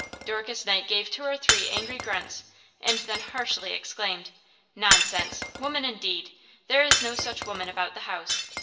Dorcas Knight gave two or three angry grunts and then harshly exclaimed: "Nonsense! woman, indeed! there is no such woman about the house!